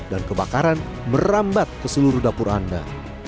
dan kebakaran merambat ke seluruh dapur anda